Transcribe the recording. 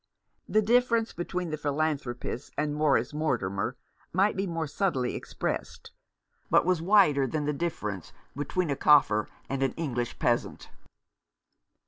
The difference between the philanthropist and Morris Mortimer might be more subtly expressed, but was wider than the difference between a Kaffir and an English peasant.